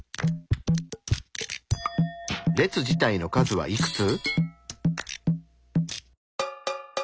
列自体の数はいくつ？